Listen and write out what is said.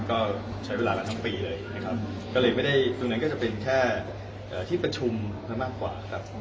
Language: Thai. ก็ใช้เวลากันทั้งปีเลยนะครับก็เลยไม่ได้ตรงนั้นก็จะเป็นแค่ที่ประชุมมากกว่าครับ